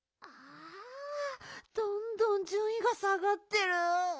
どんどんじゅんいが下がってる。